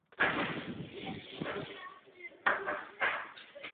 Úspěch z této desky zaznamenal zejména singl Life is Beautiful.